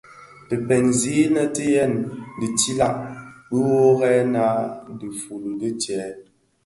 Dhi kpëňzi nnöötighèn dhi tiilag, biwoghirèna dhidi fuuli di djèè.